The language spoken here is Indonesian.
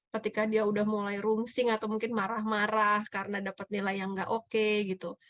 ketika dia udah mulai rungsing atau mungkin marah marah karena dapat nilai yang gak oke gitu